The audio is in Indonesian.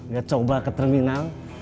gak coba ke terminal